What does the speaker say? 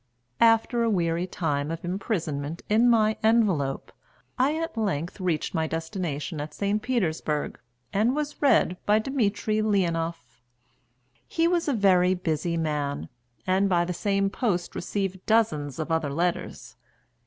After a weary time of imprisonment in my envelope, I at length reached my destination at St. Petersburg and was read by Dmitry Leonoff. He was a very busy man, and by the same post received dozens of other letters.